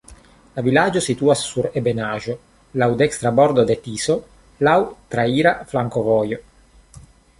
La vilaĝo situas sur ebenaĵo, laŭ dekstra bordo de Tiso, laŭ traira flankovojo.